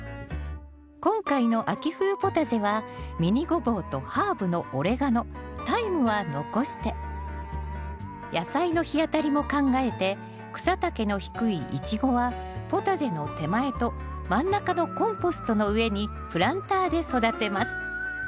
今回の秋冬ポタジェはミニゴボウとハーブのオレガノタイムは残して野菜の日当たりも考えて草丈の低いイチゴはポタジェの手前と真ん中のコンポストの上にプランターで育てます。